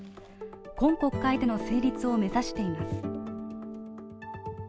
今国会での成立を目指しています。